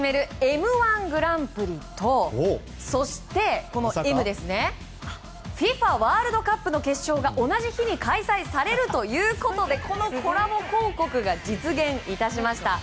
「Ｍ‐１グランプリ」とそしてＦＩＦＡワールドカップの決勝が同じ日に開催されるということでこのコラボ広告が実現いたしました。